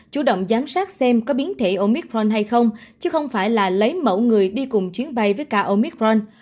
chủ động giám sát xem có biến thể omitron hay không chứ không phải là lấy mẫu người đi cùng chuyến bay với k omicron